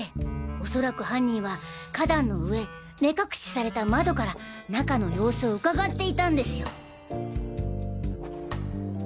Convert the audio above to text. おそらく犯人は花壇の上目隠しされた窓から中の様子をうかがっていたんですよ。